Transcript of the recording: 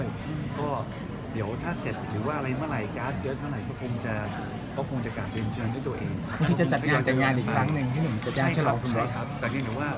แล้วก็เดี๋ยวถ้าเกิดเกิดมาก็กลับเลือนเชิญด้วยตัวเอง